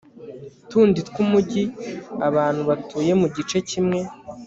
tundi twumugi Abantu batuye mu gice kimwe